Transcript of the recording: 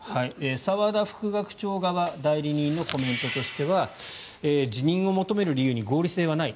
澤田副学長側代理人のコメントとしては辞任を求める理由に合理性はない。